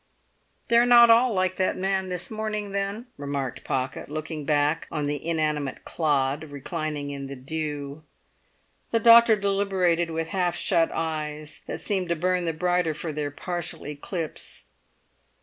"They're not all like that man this morning, then," remarked Pocket, looking back on the inanimate clod reclining in the dew. The doctor deliberated with half shut eyes that seemed to burn the brighter for their partial eclipse.